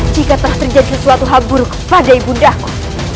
jika telah terjadi sesuatu hal buruk pada ibu undahku